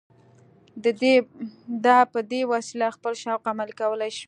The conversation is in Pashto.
ده په دې وسیله خپل شوق عملي کولای شو